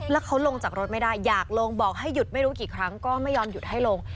แล้วเขาลงจากรถไม่ได้อยากลงบอกให้หยุดไม่รู้กี่ครั้งก็ไม่ยอมหยุดให้ลง